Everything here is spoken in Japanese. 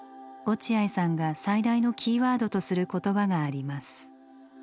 落合さんが最大のキーワードとする言葉があります。